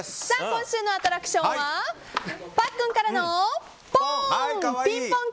今週のアトラクションはパックンからのポン！